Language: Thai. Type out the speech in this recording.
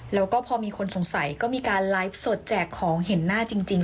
แล้วก็พอมีคนสงสัยก็มีการไลฟ์สดแจกของเห็นหน้าจริง